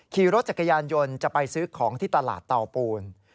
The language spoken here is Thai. ขี่รถจักรยานยนต์จะไปซื้อของที่ตลาดเตาปูน